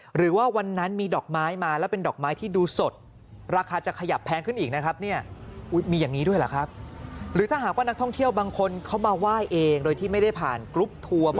หรือว่าวันนั้นมีดอกไม้มาแล้วเป็นดอกไม้ที่ดูสดราคาจะขยับแพงขึ้นอีกนะครับ